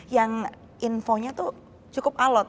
yang infonya tuh cukup alot